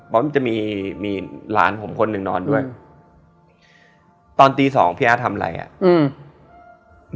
เพราะมันจะมีมีหลานผมคนหนึ่งนอนด้วยตอนตีสองพี่อาร์ตทำอะไรอ่ะอืม